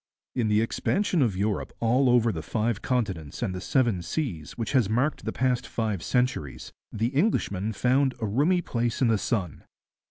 In the expansion of Europe over all the five continents and the seven seas which has marked the past five centuries, the Englishman found a roomy place in the sun.